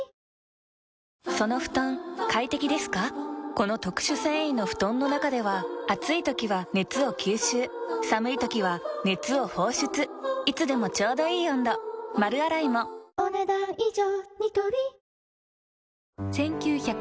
この特殊繊維の布団の中では暑い時は熱を吸収寒い時は熱を放出いつでもちょうどいい温度丸洗いもお、ねだん以上。